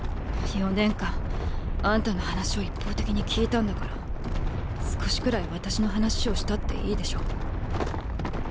４年間あんたの話を一方的に聞いたんだから少しくらい私の話をしたっていいでしょ。